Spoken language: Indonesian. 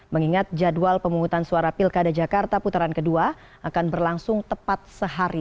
mengingat jadwal pemungutan suara pilkada jakarta putaran kedua akan berlangsung tepat sehari